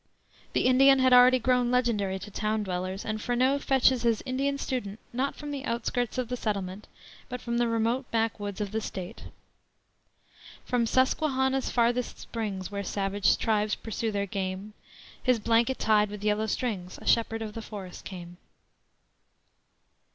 The Indian had already grown legendary to town dwellers, and Freneau fetches his Indian Student not from the outskirts of the settlement, but from the remote backwoods of the State: "From Susquehanna's farthest springs, Where savage tribes pursue their game (His blanket tied with yellow strings), A shepherd of the forest came."